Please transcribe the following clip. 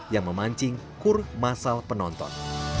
yang memancing kur masal penonton